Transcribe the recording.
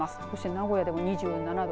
名古屋でも２７度。